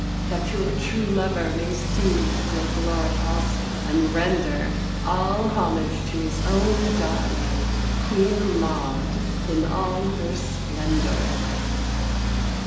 That your true lover may see Your glory also, and render All homage to his own darling, Queen Maud in all her splendour.